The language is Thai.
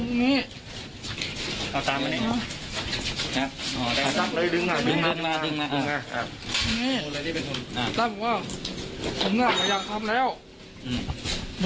ของเจ้าตายไปเลยพี่ไหนรู้หว่า